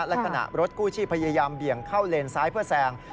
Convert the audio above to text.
และขณะรถกู้ชีพพยายามเบี่ยงเข้าเลนซ้ายเพื่อแซง